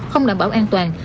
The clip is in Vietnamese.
không đảm bảo an toàn